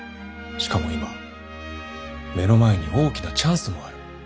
しかも今目の前に大きなチャンスもある。